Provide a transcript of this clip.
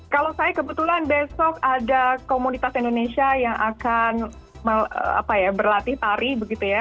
kalau saya kebetulan besok ada komunitas indonesia yang akan berlatih tari begitu ya